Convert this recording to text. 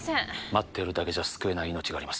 待ってるだけじゃ救えない命があります